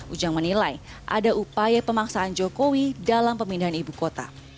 ujang menilai ada upaya pemaksaan jokowi dalam pemindahan ibu kota